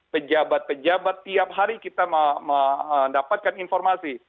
pejabat pejabat tiap hari kita mendapatkan informasi